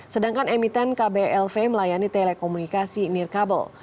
sedangkan emiten kblv melayani telekomunikasi near kabel